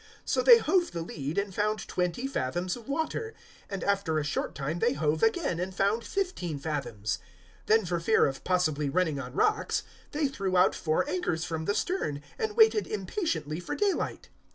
027:028 So they hove the lead and found twenty fathoms of water; and after a short time they hove again and found fifteen fathoms. 027:029 Then for fear of possibly running on rocks, they threw out four anchors from the stern and waited impatiently for daylight.